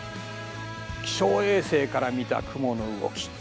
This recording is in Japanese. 気象衛星から見た雲の動き。